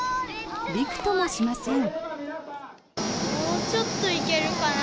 びくともしません。